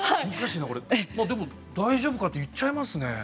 でも大丈夫か？って言っちゃいますね。